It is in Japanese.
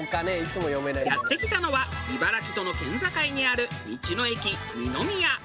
やって来たのは茨城との県境にある道の駅にのみや。